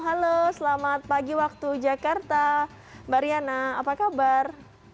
halo selamat pagi waktu jakarta mbak riana apa kabar